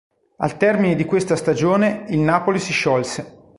Al termine di questa stagione il Napoli si sciolse.